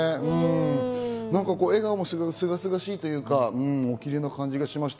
笑顔もすがすがしいというか、おキレイな感じがしました。